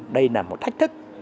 đây là một thách thức